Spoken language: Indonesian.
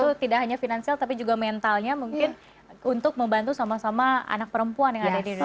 itu tidak hanya finansial tapi juga mentalnya mungkin untuk membantu sama sama anak perempuan yang ada di indonesia